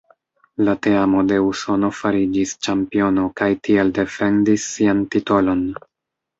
La teamo de Usono fariĝis ĉampiono kaj tiel defendis sian titolon.